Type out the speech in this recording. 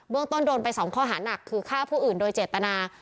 เรื่องต้นโดนไป๒ข้อหานักคือฆ่าผู้อื่นโดยเจตนา